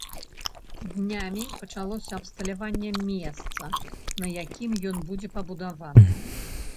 Днямі пачалося абсталяванне месца, на якім ён будзе пабудаваны.